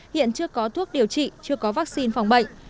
hiện chưa có thuốc điều trị chưa có vaccine phòng bệnh